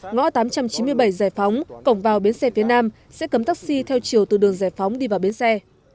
ngõ tám trăm chín mươi bảy giải phóng cổng vào biến xe phía nam sẽ cấm taxi theo chiều từ đường giải phóng đi vào bến xe